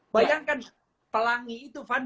bayangkan pelangi itu van